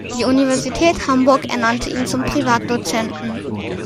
Die Universität Hamburg ernannte ihn zum Privatdozenten.